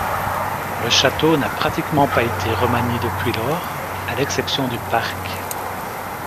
Le château n’a pratiquement pas été remanié depuis lors, à l'exception du parc.